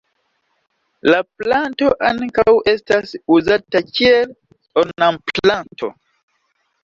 La planto ankaŭ estas uzata kiel ornamplanto.